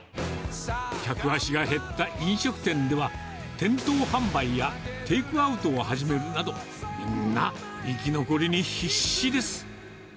客足が減った飲食店では、店頭販売やテイクアウトを始めるなど、みんな生き残りに必死です。